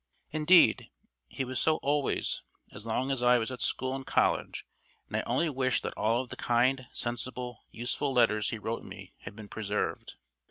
Indeed, he was so always, as long as I was at school and college, and I only wish that all of the kind, sensible, useful letters he wrote me had been preserved.